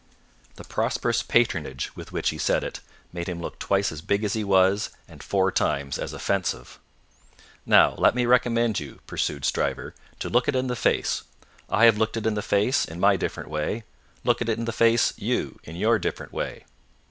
The prosperous patronage with which he said it, made him look twice as big as he was, and four times as offensive. "Now, let me recommend you," pursued Stryver, "to look it in the face. I have looked it in the face, in my different way; look it in the face, you, in your different way.